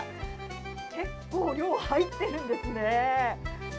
結構量入ってるんですね。